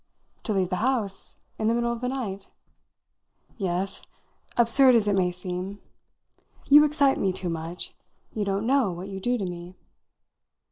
"To leave the house in the middle of the night?" "Yes absurd as it may seem. You excite me too much. You don't know what you do to me."